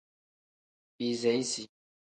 Biseyisi.